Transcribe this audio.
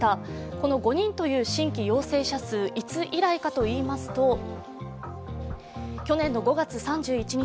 この５人という新規陽性者数、いつ以来かといいますと、去年の５月３１日。